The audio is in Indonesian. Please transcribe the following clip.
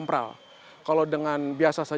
sampai sekarang terdapat beberapa pembahasan